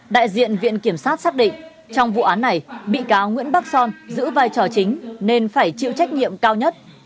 đại diện viện kiểm sát xác định trong vụ án này bị cáo nguyễn bắc son giữ vai trò chính nên phải chịu trách nhiệm cao nhất